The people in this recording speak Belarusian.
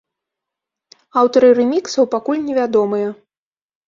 Аўтары рэміксаў пакуль невядомыя.